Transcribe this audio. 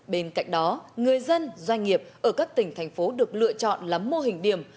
bên cạnh đó người dân doanh nghiệp ở các tỉnh thành phố được lựa chọn là mô hình điểm